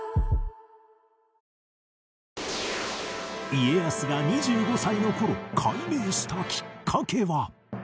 家康が２５歳の頃改名したきっかけは？